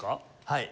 はい。